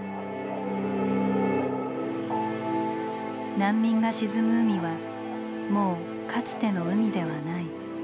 難民が沈む海はもうかつての海ではない。